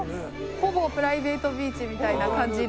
ほぼプライベートビーチみたいな感じで。